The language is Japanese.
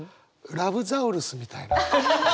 ザウルスみたいな。